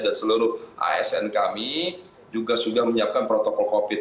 dan seluruh asn kami juga sudah menyiapkan protokol covid